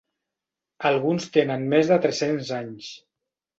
Alguns tenen més de tres-cents anys.